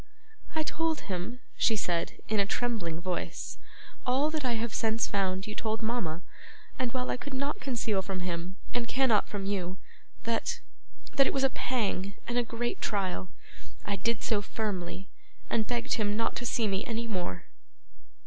'I told him,' she said, in a trembling voice, 'all that I have since found you told mama; and while I could not conceal from him, and cannot from you, that that it was a pang and a great trial, I did so firmly, and begged him not to see me any more.